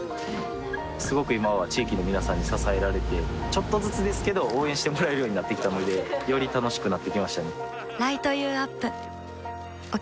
すごく今は地域の皆さんに支えられてちょっとずつですけど応援してもらえるようになってきたのでより楽しくなってきましたね